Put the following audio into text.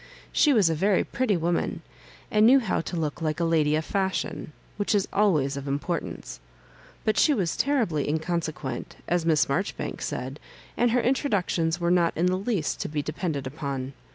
She was a very pretty woman, and knew how to look like a lady of fashion, which is always of importance: but she was terribly inconse quent, as Miss Marjoribanks said, and her intro ductions were not in the least to be depended upon.